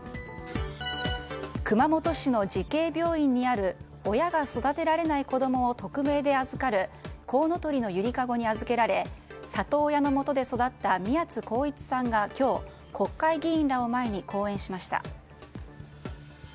熊本市の慈恵病院にある親が育てられない子供を匿名で預けるこうのとりのゆりかごに預けられ里親のもとで育てられた宮津航一さんが今日国会議員らを前に講演しました。